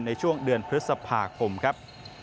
ในช่วงเดือนพฤษภาคมครับ